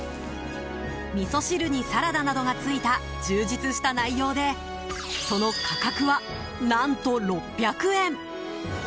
みそ汁にサラダなどがついた充実した内容でその価格は、何と６００円！